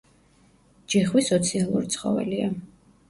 ჯიხვი სოციალური ცხოველია.